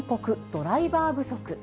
ドライバー不足。